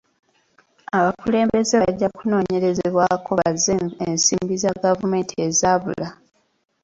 Abakulembeze bajja kunoonyerezebwako bazze ensimbi za gavumenti ezaabula.